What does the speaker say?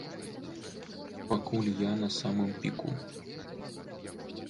Пакуль я на самым піку.